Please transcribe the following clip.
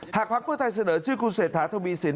หากภักดิ์เมืองไทยเสนอชื่อคุณเศรษฐาธมีศิลป์